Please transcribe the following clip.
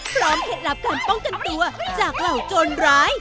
พร้อมเหตุหลับการป้องกันตัวจากเหล่าจนร้าย